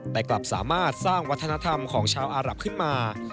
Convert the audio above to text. แต่กลับสามารถสร้างวัฒนธรรมของชาวอารับขึ้นมา